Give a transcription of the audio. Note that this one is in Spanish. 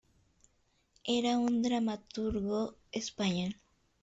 Era un dramaturgo español.